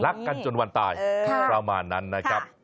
กันจนวันตายประมาณนั้นนะครับ